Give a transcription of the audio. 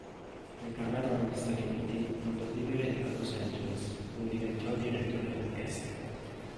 Ritornato negli Stati Uniti, andò a vivere a Los Angeles dove diventò direttore d'orchestra.